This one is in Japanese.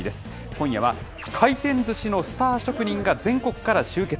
今夜は、回転ずしのスター職人が全国から集結。